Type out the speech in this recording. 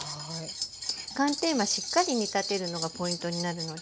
寒天はしっかり煮立てるのがポイントになるので。